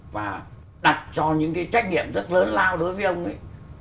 và đặt cho những cái trách nhiệm rất lớn lao đối với ông ấy